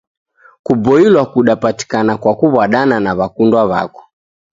Kuboilwa kudapatikana kwa kuw'adana na w'akundwa w'ako.